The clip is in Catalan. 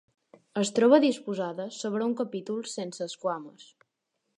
Es troba disposada sobre un capítol sense esquames.